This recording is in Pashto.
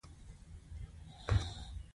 میرمن یې ګل صمنې سر راښکاره کړ وویل نشته.